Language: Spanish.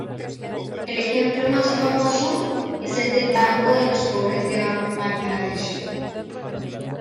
El ejemplo más famoso es el Banco de los pobres de Bangladesh.